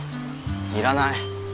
要らない。